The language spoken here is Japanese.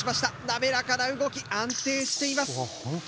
滑らかな動き安定しています。